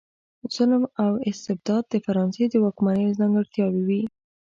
ظلم او استبداد د فرانسې د واکمنیو ځانګړتیاوې وې.